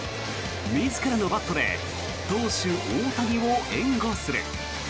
自らのバットで投手・大谷を援護する。